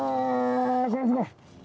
こらすごい！